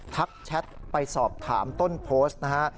แชทไปสอบถามต้นโพสต์นะฮะ